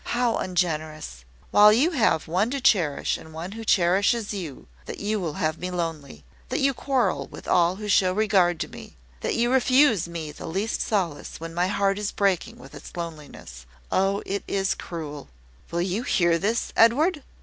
How ungenerous while you have one to cherish and who cherishes you, that you will have me lonely! that you quarrel with all who show regard to me! that you refuse me the least solace, when my heart is breaking with its loneliness! Oh, it is cruel!" "Will you hear this, Edward?"